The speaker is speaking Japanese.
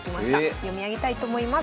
読み上げたいと思います。